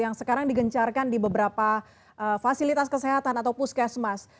yang sekarang digencarkan di beberapa fasilitas kesehatan atau puskesmas